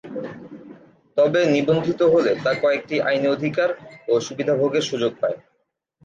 তবে নিবন্ধিত হলে তা কয়েকটি আইনি অধিকার ও সুবিধা ভোগের সুযোগ পায়।